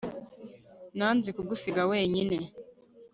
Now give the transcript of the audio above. Nanze kugusiga wenyine